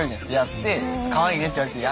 やって「かわいいね」って言われて